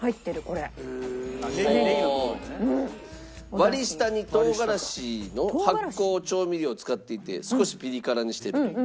割り下に唐辛子の発酵調味料を使っていて少しピリ辛にしてるという。